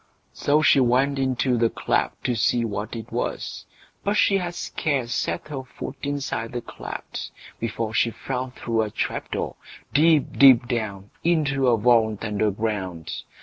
So she went into the cleft to see what it was, but she had scarce set her foot inside the cleft, before she fell through a trap door, deep, deep down, into a vault under ground.